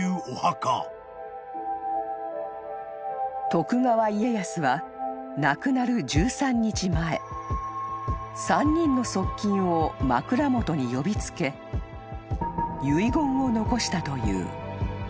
［徳川家康は亡くなる１３日前３人の側近を枕元に呼びつけ遺言を残したという］